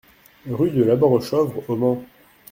Rue de l'Abord au Chanvre au Mans